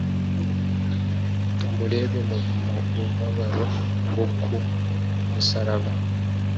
Amurebe mu mubabaro wo ku musaraba,